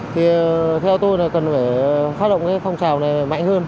thì theo tôi là cần phải phát động cái phong trào này mạnh hơn